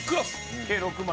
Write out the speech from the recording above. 計６枚？